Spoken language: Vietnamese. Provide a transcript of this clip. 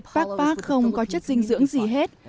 pac pac không có chất dinh dưỡng gì hết